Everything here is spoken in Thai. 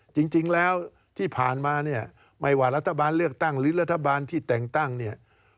จริงแล้วที่ผ่านมาเนี่ยไม่ว่ารัฐบาลเลือกตั้งหรือรัฐบาลที่แต่งตั้งเนี่ย